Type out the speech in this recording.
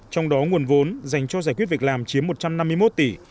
trong đó nguồn vốn dành cho giải quyết việc làm chiếm một trăm năm mươi một tỷ